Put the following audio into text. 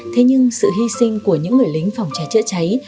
thế nhưng sự hy sinh của những người lính phòng cháy chữa cháy